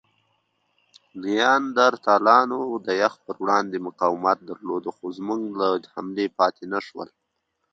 نیاندرتالانو د یخ پر وړاندې مقاومت درلود؛ خو زموږ له حملې پاتې نهشول.